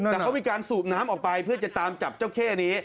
แต่เขามีการสูบน้ำออกไปเพื่อจะตามจับเจ้าเข้นี้